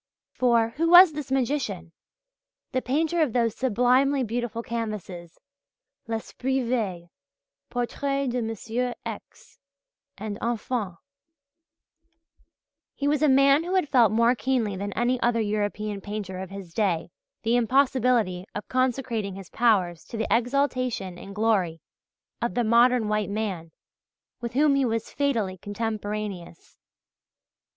For, who was this magician, the painter of those sublimely beautiful canvases "L'esprit veille," "Portrait de M. X." and "Enfants." He was a man who had felt more keenly than any other European painter of his day the impossibility of consecrating his powers to the exaltation and glory of the modern white man with whom he was "fatally contemporaneous."